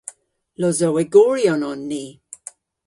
Losowegoryon on ni.